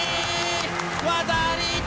技あり！